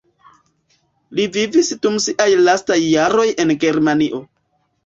Li vivis dum siaj lastaj jaroj en Germanio.